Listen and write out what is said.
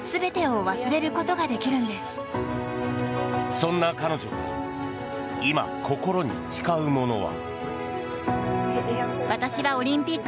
そんな彼女が今心に誓うものは。